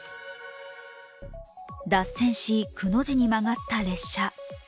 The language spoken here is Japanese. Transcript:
脱線しくの字に曲がった列車。